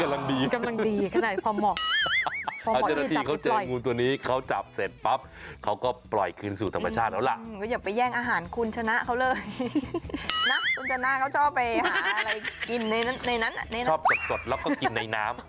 อาจจะเจอจมูลตัวนี้เขาจับเสร็จปั๊บเขาก็ปล่อยคืนสู่ธรรมชาติแล้วล่ะ